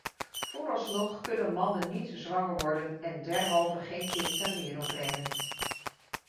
Vooralsnog kunnen mannen niet zwanger worden en derhalve geen kind ter wereld brengen.